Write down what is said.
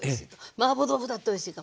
マーボー豆腐だっておいしいかもしれない。